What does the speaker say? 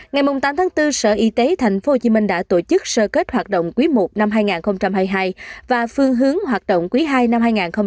ngày tám tháng bốn sở y tế tp hcm đã tổ chức sơ kết hoạt động quý i năm hai nghìn hai mươi hai và phương hướng hoạt động quý ii năm hai nghìn hai mươi bốn